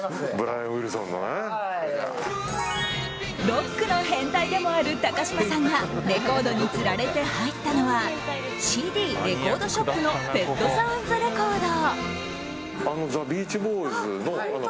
ロックの変態でもある高嶋さんがレコードに釣られて入ったのはＣＤ・レコードショップのペット・サウンズ・レコード。